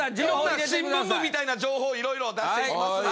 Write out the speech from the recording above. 新聞部みたいな情報を色々出していきますんで。